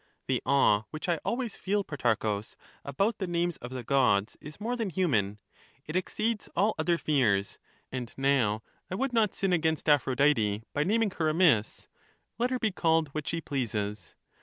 The awe which I always feel, Protarchus, about the names of the gods is more than human—it exceeds all other fears. And now I would not sin against Aphrodite by naming her amiss ; let her be called what she pleases.